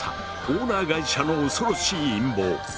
オーナー会社の恐ろしい陰謀！